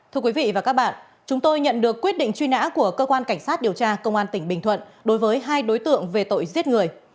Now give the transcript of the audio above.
thưa quý vị và các bạn chúng tôi nhận được quyết định truy nã của cơ quan cảnh sát điều tra công an tỉnh bình thuận đối với hai đối tượng về tội giết người